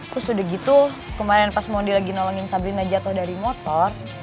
terus udah gitu kemarin pas mondi lagi nolongin sabrina jatuh dari motor